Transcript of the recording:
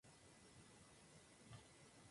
La critico de libros del "St.